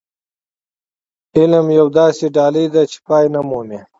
علم يوه داسې ډالۍ ده چې پای نه مومي.